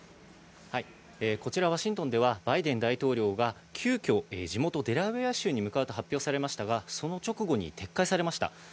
こちらワシントンではバイデン大統領が急きょ、地元・デラウェア州に向かうと発表されましたが、その直後に撤回されました。